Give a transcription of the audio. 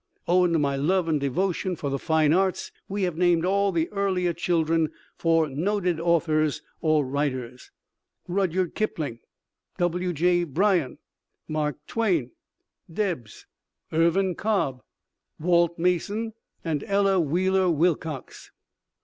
Owing to my love and devotion for the fine arts we have named all the earlier children for noted authors or writers Rudyard Kipling, W.J. Bryan, Mark Twain, Debs, Irvin Cobb, Walt Mason and Ella Wheeler Wilcox.